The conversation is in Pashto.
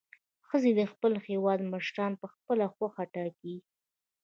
ښځې د خپل هیواد مشران په خپله خوښه ټاکي.